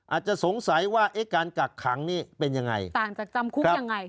อาจจะสงสัยว่าเอ๊ะการกักขังนี่เป็นยังไงต่างจากจำคุกยังไง